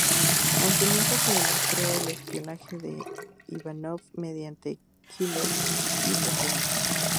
Aunque nunca se demostró el espionaje de Ivanov mediante Keeler y Profumo.